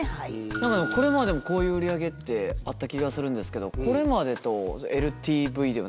何かでもこれまでもこういう売り上げってあった気がするんですけどこれまでとＬＴＶでは何が違うんですかね？